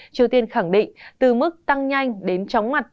triều tiên khẳng định từ mức tăng nhanh đến chóng mặt